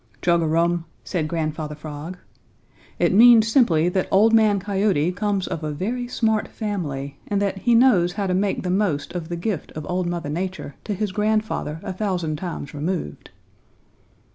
"Chug a rum!" said Grandfather Frog. "It means simply that Old Man Coyote comes of a very smart family, and that he knows how to make the most of the gift of Old Mother Nature to his grandfather a thousand times removed."